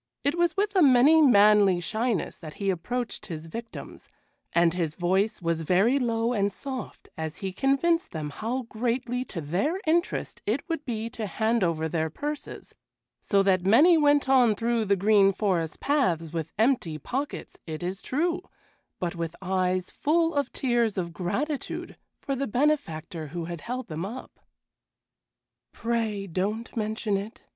It was with a certain manly shyness that he approached his victims, and his voice was very low and soft as he convinced them how greatly to their interest it would be to hand over their purses, so that many went on through the green forest paths with empty pockets, it is true, but with eyes full of tears of gratitude for the benefactor who had held them up. "Pray don't mention it!"